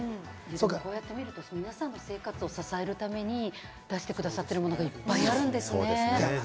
こうやってみると、皆さんの生活を支えるために出してくださってるものが、いっぱいあるんですね。